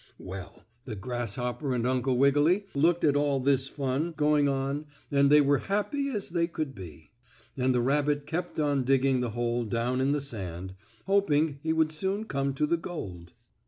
Well, the grasshopper and Uncle Wiggily looked at all this fun going on and they were happy as they could be. And the rabbit kept on digging the hole down in the sand, hoping he would soon come to the gold.